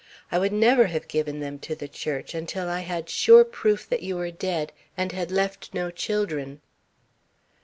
I would never have given them to the Church, until I had sure proof that you were dead and had left no children."